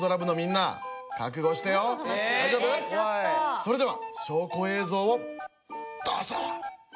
それでは証拠映像をどうぞ。